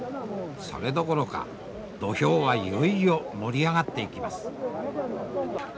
それどころか土俵はいよいよ盛り上がっていきます。